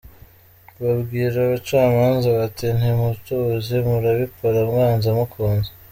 Babwira abacamanza bati : nti mutuzi, murabikora mwanze mukunze.